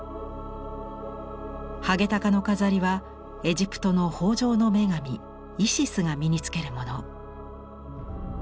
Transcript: ハゲタカの飾りはエジプトの豊じょうの女神イシスが身に着けるもの。